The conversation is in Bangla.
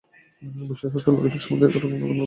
বিশেষত ললিতার সম্বন্ধে এরকম রটনা করা অত্যন্ত কাপুরুষতা।